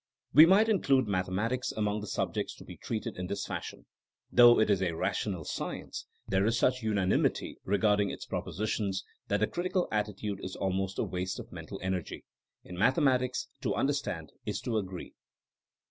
We might include mathe matics among the subjects to be treated in this fashion. Though it is a rational science, there is such unanimity regarding its propositions that the critical attitude is almost a waste of mental energy. In mathematics, to understand is to agree.